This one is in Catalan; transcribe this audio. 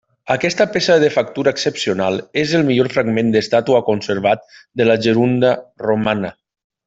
Aquesta peça de factura excepcional és el millor fragment d'estàtua conservat de la Gerunda romana.